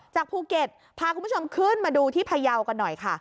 จากภูเก็ตพาคุณผู้ชมขึ้นมาดูที่พยาวกันหน่อยค่ะ